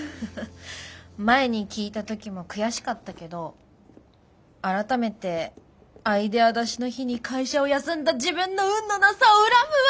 前に聞いた時も悔しかったけど改めてアイデア出しの日に会社を休んだ自分の運のなさを恨むわ。